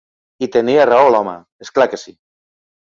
I tenia raó, l'home! És clar que sí!